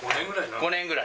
５年ぐらい。